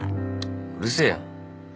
うるせえよ。